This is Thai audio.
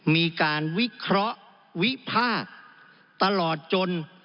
มีการวิเคราะห์วิพากษ์ตลอดจน